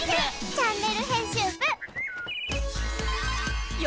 チャンネル編集部」へ！